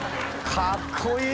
かっこいい！